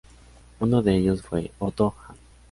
Uno de ellos fue Otto Hahn.